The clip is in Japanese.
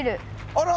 あら。